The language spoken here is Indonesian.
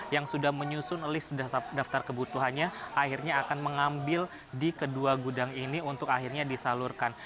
yang sudah menyusun list daftar kebutuhannya akhirnya akan mengambil di kedua gudang ini untuk akhirnya disalurkan